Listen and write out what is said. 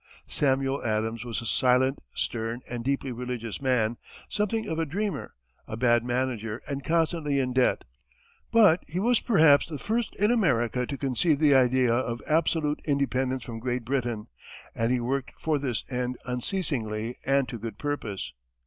Samuel Adams was a silent, stern and deeply religious man, something of a dreamer, a bad manager and constantly in debt; but he was perhaps the first in America to conceive the idea of absolute independence from Great Britain, and he worked for this end unceasingly and to good purpose.